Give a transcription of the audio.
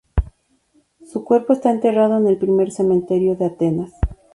Su cuerpo está enterrado en el Primer cementerio de Atenas.